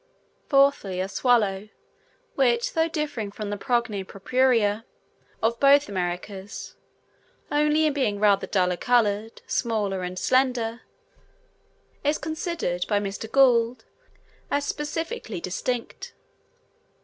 Fourthly, a swallow, which though differing from the Progne purpurea of both Americas, only in being rather duller colored, smaller, and slenderer, is considered by Mr. Gould as specifically distinct.